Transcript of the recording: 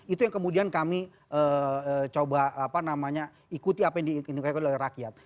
itu yang kemudian kami coba ikuti apa yang diikuti oleh rakyat